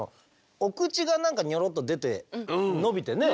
お口が何かニョロッと出てのびてね